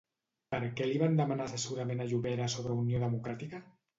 Per què li van demanar assessorament a Llovera sobre Unió Democràtica?